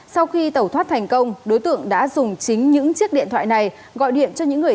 sau khi tẩu thoát thành công đối tượng đã dùng chính những chiếc điện thoại này gọi điện cho những người